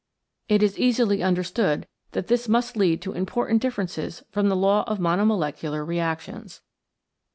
It is easily understood that this must lead to important differences from the law of monomolecular re actions.